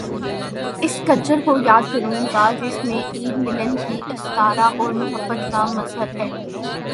اس culture کو یاد کروں گا جس میں عید، ملن کا استعارہ اور محبت کا مظہر ہے۔